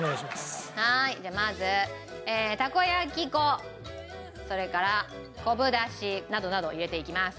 はいじゃあまずたこ焼き粉それから昆布出汁などなどを入れていきます。